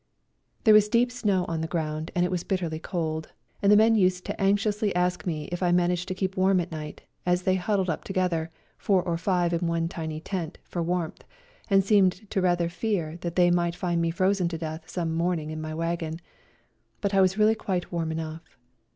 There was deep snow on the ground, and it was bitterly cold, and the men used to anxiously ask me if I managed to keep warm at night, as they huddled up to gether, four in one tiny tent, for warmth, and seemed to rather fear that they might find me frozen to death some morning in my wagon, but I was really quite warm enough.